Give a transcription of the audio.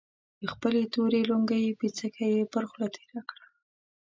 د خپلې تورې لونګۍ پيڅکه يې پر خوله تېره کړه.